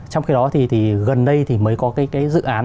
trong khi đó thì gần đây thì mới có cái dự án